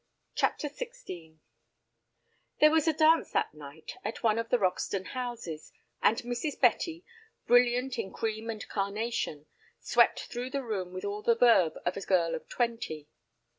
CHAPTER XVI There was a dance that night at one of the Roxton houses, and Mrs. Betty, brilliant in cream and carnation, swept through the room with all the verve of a girl of twenty.